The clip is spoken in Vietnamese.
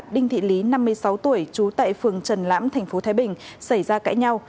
đinh thị lý năm mươi sáu tuổi trú tại phường trần lãm tp thái bình xảy ra cãi nhau